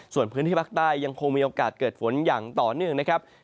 ส่วนพื้นที่ภาคใต้ยังคงมีโอกาสเกิดฝนอย่างต่อเนื่องนะครับ